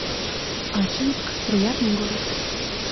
Ачинск — приятный город